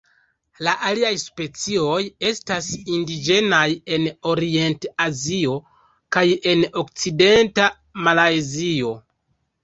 La aliaj specioj estas indiĝenaj en Orient-Azio kaj en okcidenta Malajzio.